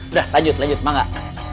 udah lanjut lanjut mau nggak